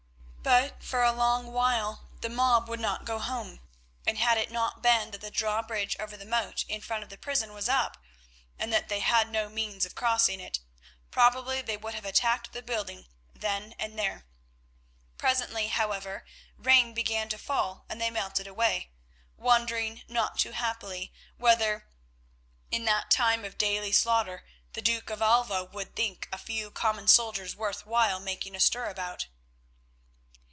But for a long while the mob would not go home, and had it not been that the drawbridge over the moat in front of the prison was up, and that they had no means of crossing it, probably they would have attacked the building then and there. Presently, however, rain began to fall and they melted away, wondering, not too happily, whether, in that time of daily slaughter, the Duke of Alva would think a few common soldiers worth while making a stir about.